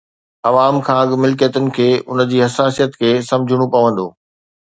عوام کان اڳ ملڪيتن کي ان جي حساسيت کي سمجهڻو پوندو.